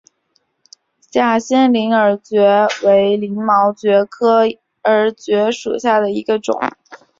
假线鳞耳蕨为鳞毛蕨科耳蕨属下的一个种。